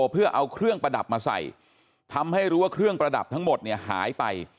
เพื่อเอาเครื่องประดับมาใส่ทำให้รู้ว่าเครื่องประดับทั้งหมดเนี่ยหายไป